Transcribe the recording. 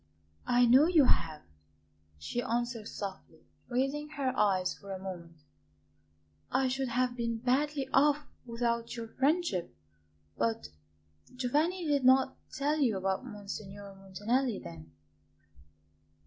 "I know you have," she answered softly, raising her eyes for a moment; "I should have been badly off without your friendship. But Giovanni did not tell you about Monsignor Montanelli, then?"